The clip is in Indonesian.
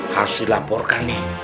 harus dilaporkan nih